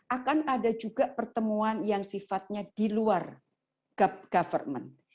akan ada juga pertemuan yang sifatnya di luar government